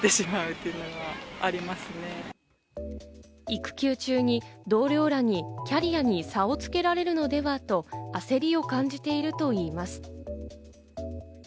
育休中に同僚らにキャリアに差をつけられるのではと焦りを感じているといいます。